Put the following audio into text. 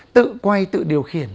tự quay tự điều khiển